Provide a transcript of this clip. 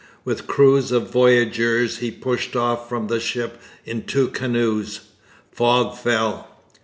With crews of voyageurs he pushed off from the ship in two canoes. Fog fell.